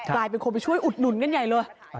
กลายเป็นคนไปช่วยอุดหนุนกันใหญ่เลย